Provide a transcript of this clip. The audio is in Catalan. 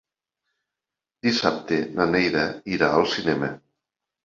Dissabte na Neida irà al cinema.